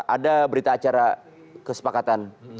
ada berita acara kesepakatan